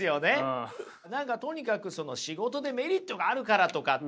何かとにかくその仕事でメリットがあるからとかっていうね